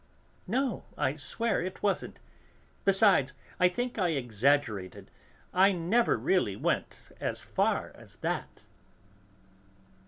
"No, I swear it wasn't; besides, I think I exaggerated, I never really went as far as that."